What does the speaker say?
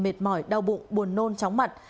mệt mỏi đau bụng buồn nôn chóng mặt